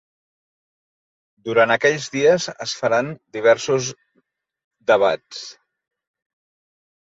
Durant aquells dies es faran diversos debats.